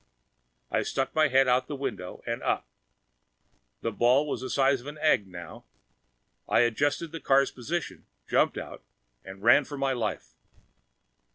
I stuck my head out the window and up. The ball was the size of an egg now. I adjusted the car's position, jumped out and ran for my life.